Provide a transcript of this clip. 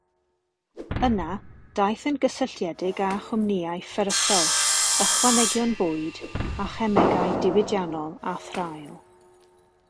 Yna, daeth yn gysylltiedig â chwmnïau fferyllol, ychwanegion bwyd, a chemegau diwydiannol a thraul.